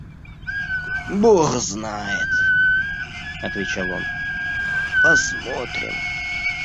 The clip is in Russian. «Бог знает, – отвечал он, – посмотрим.